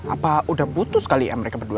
apa udah putus kali ya mereka berdua